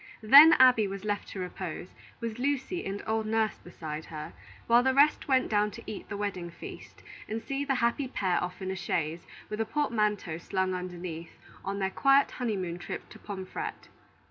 Then Abby was left to repose, with Lucy and old Nurse beside her, while the rest went down to eat the wedding feast and see the happy pair off in a chaise, with the portmanteau slung underneath, on their quiet honey moon trip to Pomfret.